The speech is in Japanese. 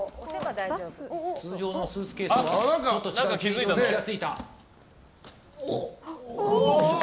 通常のスーツケースとはちょっと違う構造に気が付いた。